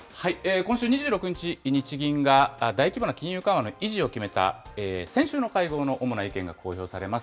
今週２６日、日銀が大規模な金融緩和の維持を決めた、先週の会合の主な意見が公表されます。